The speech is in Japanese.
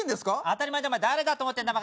当たり前だ誰だと思ってんだ